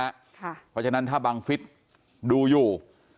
ตำรวจบอกนะฮะเพราะฉะนั้นถ้าบางฟิศดูอยู่